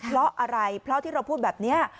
เพราะอะไรเพราะที่เราพูดแบบนี้